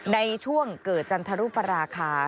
ในช่วงเกิดจันทรุปราคา